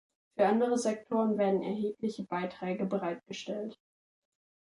Für anderen Sektoren werden erhebliche Beträge bereitgestellt.